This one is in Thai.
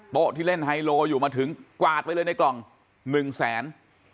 ที่เล่นไฮโลอยู่มาถึงกวาดไปเลยในกล่อง๑แสน